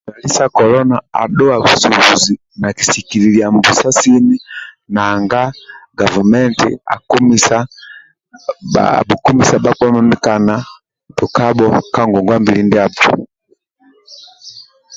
Nduali sa kolona adhuwa busubuzi nakisikililia mbusa sini nanga gavumenti abhukomisa bhakpa mamikana tukabho ka ngongwa-mbili ndiabho